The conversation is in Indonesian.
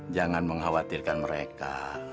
jangan mengkhawatirkan mereka